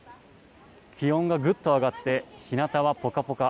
気温がぐっと上がって日なたはポカポカ。